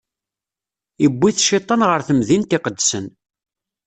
Iwwi-t Cciṭan ɣer temdint iqedsen.